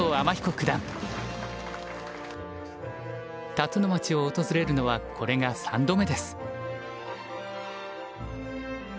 辰野町を訪れるのはこれが３度目です。